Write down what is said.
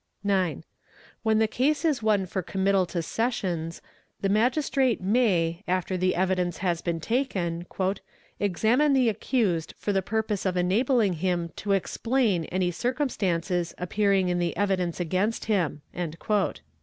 | 9. When the case is one for committal to Sessions, the Magistrat "may" after the evidence has been taken, "examine the accused for tl EXAMINATION OF ACCUSED 111 purpose of enabling him to explain any circumstances appearing in the evidence against him" (Cr.